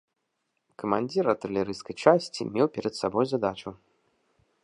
Камандзір артылерыйскай часці меў перад сабой задачу.